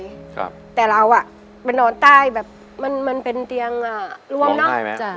ครับแต่เราอ่ะไปนอนใต้แบบมันมันเป็นเตียงอ่ะรวมเนอะใช่ไหมจ้ะ